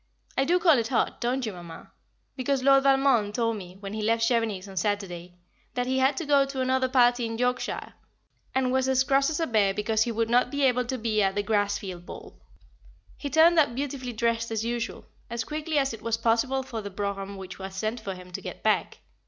I do call it odd, don't you, Mamma? because Lord Valmond told me, when he left Chevenix on Saturday, that he had to go to another party in Yorkshire, and was as cross as a bear because he would not be able to be at the Grassfield ball. He turned up beautifully dressed as usual, as quickly as it was possible for the brougham which was sent for him to get back.